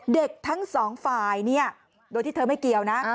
เด็กทั้งสองฝ่ายเนี่ยโดยที่เธอไม่เกี่ยวนะ